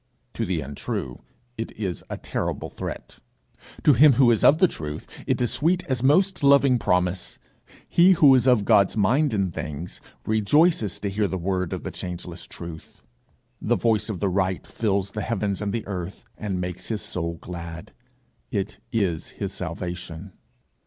To the untrue, it is a terrible threat; to him who is of the truth, it is sweet as most loving promise. He who is of God's mind in things, rejoices to hear the word of the changeless Truth; the voice of the Right fills the heavens and the earth, and makes his soul glad; it is his salvation.